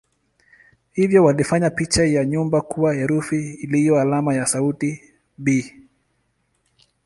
Hivyo walifanya picha ya nyumba kuwa herufi iliyo alama ya sauti "b".